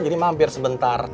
jadi mampir sebentar